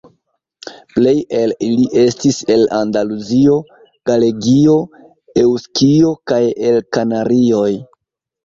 Plej el ili estis el Andaluzio, Galegio, Eŭskio kaj el Kanarioj.